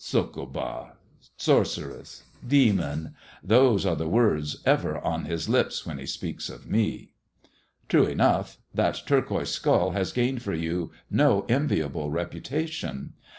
Succvha, sorceress, demon, those are the words ever on his lips when he speaks of me." " True enough : that turquoise skull has gained for you no enviable reputation."